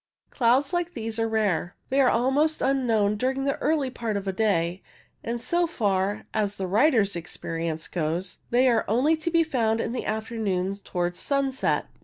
Clouds like these are rare. They 52 CIRRO STRATUS AND CIRRO CUMULUS are almost unknown during the early part of the day, and, so far as the writer's experience goes, they are only to be found in the afternoon towards sunset.